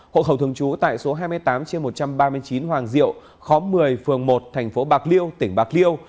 hộ khẩu thường trú tại số hai mươi tám một trăm ba mươi chín hoàng diệu khóm một mươi phường một thành phố bạc liêu tỉnh bạc liêu